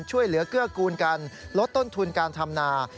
ช่วยเหลือเกื้อกูลกันลดต้นทุนการทำนา